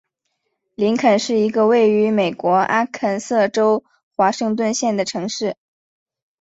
林肯是一个位于美国阿肯色州华盛顿县的城市。